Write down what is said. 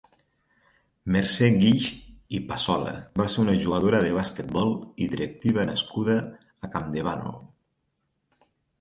Mercè Guix i Passola va ser una jugadora de basquetbol i directiva nascuda a Campdevànol.